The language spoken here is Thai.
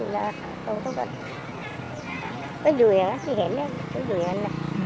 ก็อยู่อย่างนั้นเฮ้อยู่อย่างงั้น